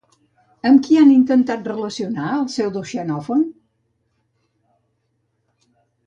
Amb qui han intentat relacionar el Pseudo-Xenofont?